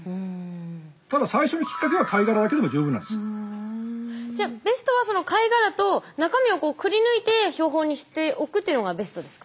ただ最初のじゃあベストは貝殻と中身をくりぬいて標本にしておくというのがベストですか？